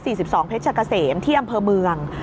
บนถนนสาย๔๒เพชรเกษมเที่ยมเพอร์เมือง